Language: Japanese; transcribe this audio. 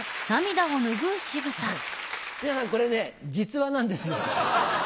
皆さんこれね実話なんですよ。